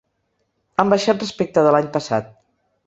Han baixat respecte de l’any passat.